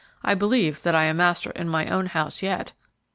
I believe that I am master in my own house yet."